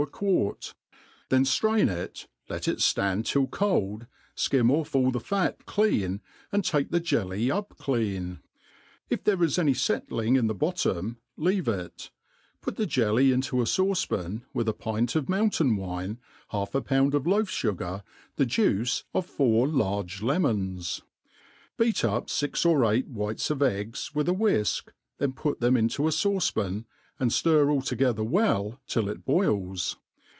2j,6 THE ART OF COOKERY quart, then ftrain it, let it ftand till cold, (kim off all the fat clean, and take the jelly up clean* l( there is any fettling in the bottom, leave it; put the jelly 4010 a fauce«pgn, with a pint of moil main wine, half a poMPd of leaf fugar, the juice of four large lemons ; beat up fxn or ^ight whites of eggs with a whifk, then put theip into a fauce*pan, and, ftir ^11 together well till it boils.